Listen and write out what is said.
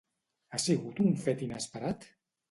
Ha sigut un fet inesperat?